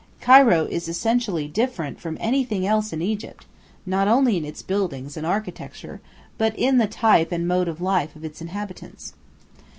Cairo is essentially different from anything else in Egypt, not only in its buildings and architecture, but in the type and mode of life of its inhabitants.